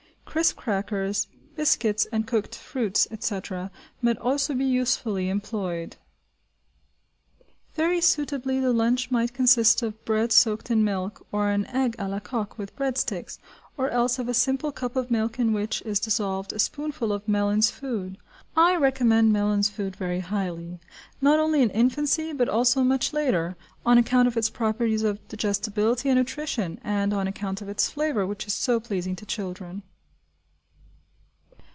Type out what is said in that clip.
Crisp crackers, biscuits, and cooked fruits, etc., might also be usefully employed. Very suitably the lunch might consist of bread soaked in milk or an egg à la coque with bread sticks, or else of a simple cup of milk in which is dissolved a spoonful of Mellin's Food. I recommend Mellin's Food very highly, not only in infancy, but also much later on account of its properties of digestibility and nutrition, and on account of its flavour, which is so pleasing to children.